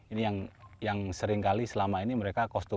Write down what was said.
ini yang sering kali selama ini mereka kostum